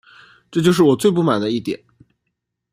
这就是我最不满的一点